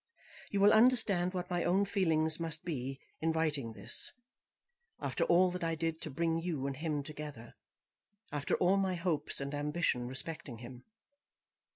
You will understand what my own feelings must be in writing this, after all that I did to bring you and him together, after all my hopes and ambition respecting him.